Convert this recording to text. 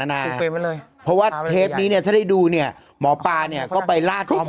เพราะว่าเทปนี้ถ้าได้ดูหมอปลาก็ไปล่าจอม